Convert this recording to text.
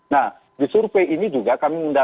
nah di survei ini juga kami mendalami ini